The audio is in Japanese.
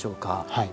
はい。